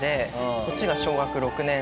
こっちが小学６年生。